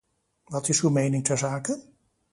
Wat is uw mening ter zake?